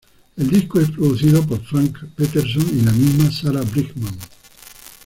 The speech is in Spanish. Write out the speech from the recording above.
El disco es producido por Frank Peterson y la misma Sarah Brightman.